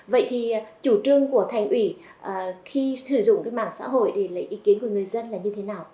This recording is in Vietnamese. vậy thì chủ trương của thành ủy khi sử dụng cái mạng xã hội để lấy ý kiến của người dân là như thế nào